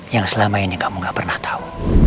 yang selama ini kamu gak pernah tahu